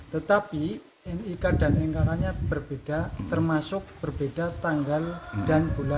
tetapi nik dan nik nya berbeda termasuk berbeda tanggal dan bulan